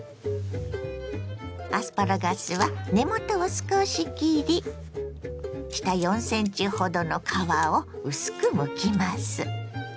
アスパラガスは根元を少し切り下４ｃｍほどの皮を薄くむきます。